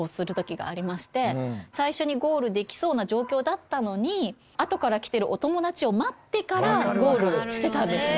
最初にゴールできそうな状況だったのにあとから来てるお友達を待ってからゴールしてたんですね。